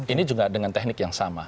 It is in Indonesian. ini juga dengan teknik yang sama